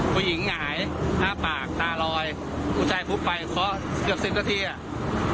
ปุ้ยหยหน้าปากตาลอยปุ๊ยหมดไปเพราะเกือบสิบกระที่อะ